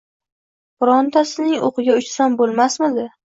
Birontasining o‘qiga uchsam bo‘lmasmidi\